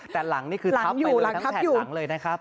แต่หลังนี่คือทับไปเลยทั้งแผ่นหลังเลยนะครับ